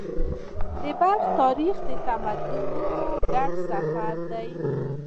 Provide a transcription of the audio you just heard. د بلخ تاریخ د تمدنونو ګډ سفر دی.